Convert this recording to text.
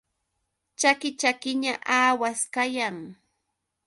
Chaki chakiña awas kayan.